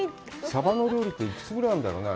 サバのお料理っていくぐらいあるんだろうね。